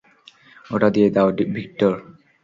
ওটা দিয়ে দাও, ভিক্টর।